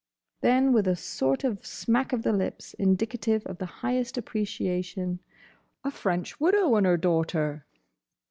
—" Then with a sort of smack of the lips indicative of the highest appreciation, "A French widow and her daughter."